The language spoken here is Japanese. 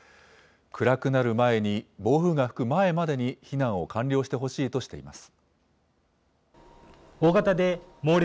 暗くなる前に暴風が吹く前までに避難を完了してほしいとしています。